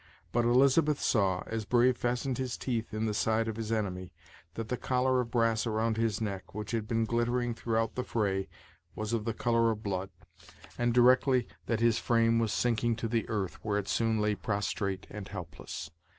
But Elizabeth saw, as Brave fastened his teeth in the side of his enemy, that the collar of brass around his neck, which had been glittering throughout the fray, was of the color of blood, and directly that his frame was sinking to the earth, where it soon lay prostrate and helpless.